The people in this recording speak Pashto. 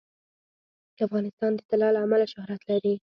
افغانستان د طلا له امله شهرت لري.